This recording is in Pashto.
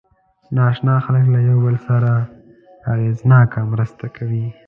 ناآشنا خلک له یو بل سره اغېزناکه مرسته کوي.